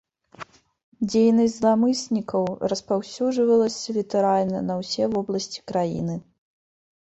Дзейнасць зламыснікаў распаўсюджвалася літаральна на ўсе вобласці краіны.